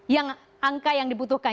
yang angka yang diputuhkan